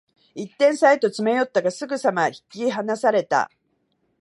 一点差へと詰め寄ったが、すぐさま引き離された